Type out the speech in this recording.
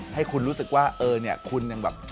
ให้คุณรู้สึกว่าเออเนี่ยคุณยังแบบ